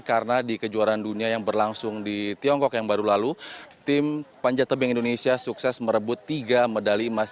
karena di kejuaraan dunia yang berlangsung di tiongkok yang baru lalu tim panjat tebing indonesia sukses merebut tiga medali emas